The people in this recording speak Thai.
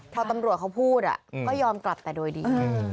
พอตำรวจเขาพูดก็ยอมกลับแต่โดยดี